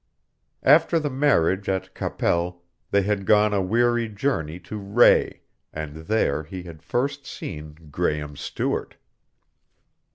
After the marriage at Qu'Apelle they had gone a weary journey to Rae, and there he had first seen Graehme Stewart.